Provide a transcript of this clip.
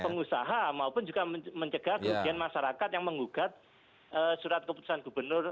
pengusaha maupun juga mencegah kerugian masyarakat yang menggugat surat keputusan gubernur